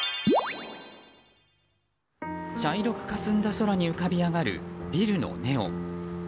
茶色くかすんだ空に浮かび上がるビルのネオン。